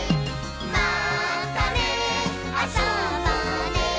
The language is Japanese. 「またねあそぼうね